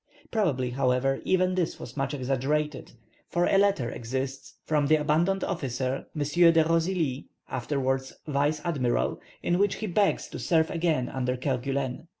Probably, however, even this was much exaggerated, for a letter exists from the abandoned officer, M. de Rosily (afterwards vice admiral), in which he begs to serve again under Kerguelen.